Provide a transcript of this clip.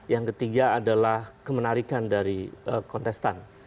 yang ketiga adalah kemenarikan dari kontestan